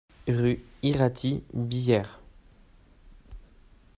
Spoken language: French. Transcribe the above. Rue Iraty, Billère